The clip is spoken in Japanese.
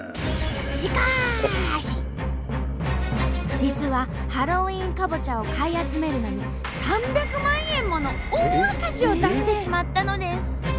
実はハロウィーンかぼちゃを買い集めるのに３００万円もの大赤字を出してしまったのです！